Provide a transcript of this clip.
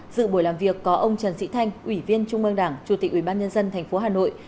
dự buổi làm việc có ông trần sĩ thanh ủy viên trung mương đảng chủ tịch ủy ban nhân dân tp hà nội